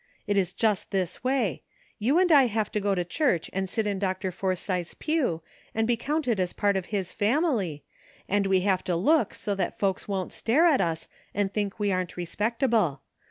It is just this way : you and I have to go to church and sit in Dr. Forsythe'l pew and be counted as part of his family, and we have to look so that folks won't stare at us and think we aren't respect able.